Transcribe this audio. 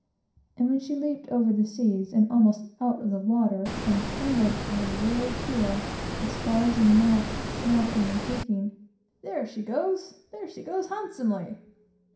And when she leaped over the seas, and almost out of the water, and trembled to her very keel, the spars and masts snapping and creaking, "There she goes! There she goes, handsomely!